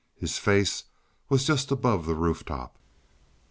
His face was just above the roof top.